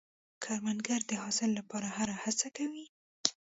کروندګر د حاصل لپاره هره هڅه کوي